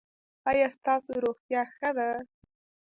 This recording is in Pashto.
ایا ستاسو روغتیا ښه ده؟